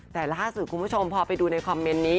แต่ล่าสุดคุณผู้ชมพอไปดูในคอมเมนต์นี้